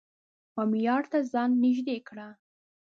و معیار ته ځان نژدې کړه